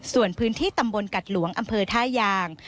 ส่วนพื้นที่ตำบลกัดหลวงอำเภอท่ายาง